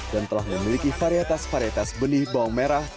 dan telah memiliki varietas varietas benih bawang merah